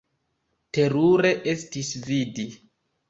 Terure estis vidi!